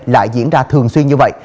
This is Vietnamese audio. lại diễn ra thường xuyên như vậy